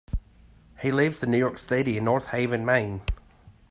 He lives in New York City and North Haven, Maine.